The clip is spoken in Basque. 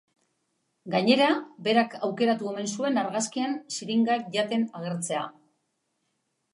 Gainera, berak aukeratu omen zuen argazkian xiringak jaten agertzea.